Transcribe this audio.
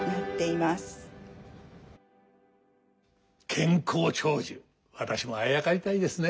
健康長寿私もあやかりたいですね。